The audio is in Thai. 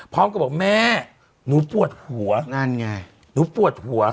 พร้อมกับบอกแม่หนูปวดหัวนั่นไงหนูปวดหัว